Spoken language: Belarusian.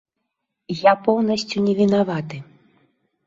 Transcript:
Я поўнасцю не вінаваты.